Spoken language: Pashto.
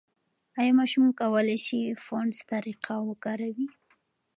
ایا ماشوم کولای شي فونس طریقه وکاروي؟